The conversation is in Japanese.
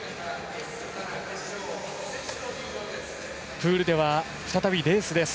プールでは再びレースです。